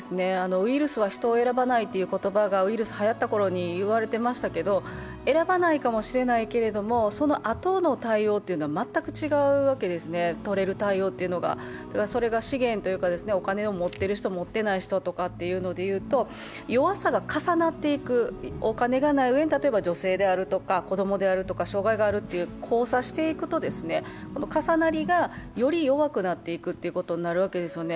ウイルスは人を選ばないという言葉がウイルスがはやりだした頃に言われてましたけど、選ばないかもしれないけれども、そのあとの対応というのは全く違うわけですね、とれる対応というのが。それが資源というか、お金を持ってる人、持ってない人というので言うと、弱さが重なっていく、お金がないうえに女性であるとか子供であるとか、障害者であるとか交差していくと重なりが、より弱くなっていくということになるわけですよね。